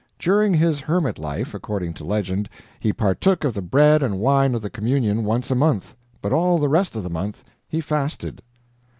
During his hermit life, according to legend, he partook of the bread and wine of the communion once a month, but all the rest of the month he fasted.